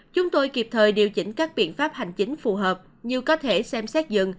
chúng tôi kịp thời điều chỉnh các biện pháp hành chính phù hợp như có thể xem xét dừng